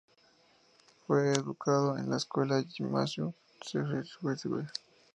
Fue educado en la escuela "Gymnasium" de Schweinfurt y Würzburg.